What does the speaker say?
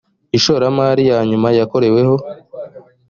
ishoramari ya nyuma yakoreweho